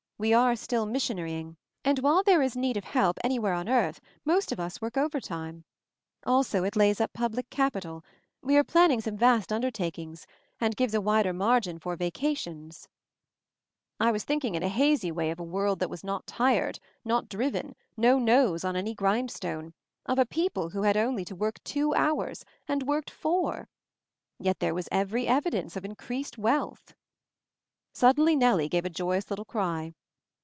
We are still missionary ing. And while there is need of help any where on earth, most of us work overtime. Also it lays up public capital — we are plan MOVING THE MOUNTAIN 63 ning* some vast undertakings — and gives a wider margin for vacations/' I was thinking in a hazy way of a world that was not tired, not driven, no nose on any grindstone; of a people who only had to work two hours — and worked four I Yet there was every evidence of increased wealth Suddenly Nellie gave a joyous little cry.